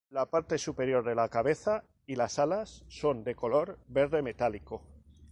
La parte superior de la cabeza y las alas son de color verde metálico.